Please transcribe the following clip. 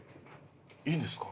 いいんですか？